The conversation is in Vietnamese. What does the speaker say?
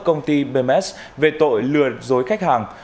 công ty bms về tội lừa dối khách hàng